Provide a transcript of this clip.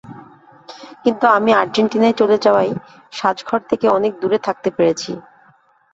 কিন্তু আমি আর্জেন্টিনায় চলে যাওয়ায় সাজঘর থেকে অনেক দূরে থাকতে পেরেছি।